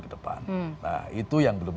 ke depan nah itu yang belum